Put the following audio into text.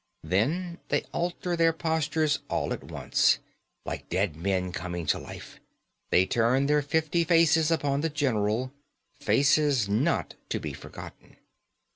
Then they alter their postures all at once, like dead men coming to life; they turn their fifty faces upon the general faces not to be forgotten."